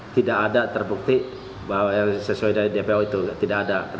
tidak ada terbukti bahwa sesuai dari dpo itu tidak ada